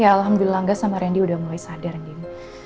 ya alhamdulillah angga sama randy udah mulai sadar din